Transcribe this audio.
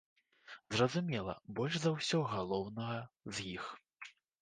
Зразумела, больш за ўсё галоўнага з іх.